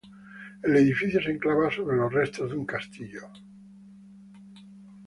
El edificio se enclava sobre los restos de un castillo.